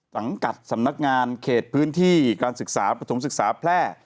สังกัดสำนักงานเขตพื้นที่การศึกษาปฐมศึกษาแพร่